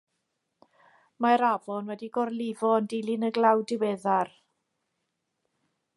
Mae'r afon wedi gorlifo yn dilyn y glaw diweddar.